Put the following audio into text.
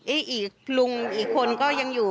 อีกคนอีกลุงก็ยังอยู่